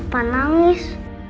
tante kenapa nangis